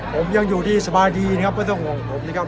ผมยังอยู่ที่สบายดีนะครับไม่ต้องห่วงผมนะครับ